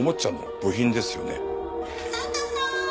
「サンタさん！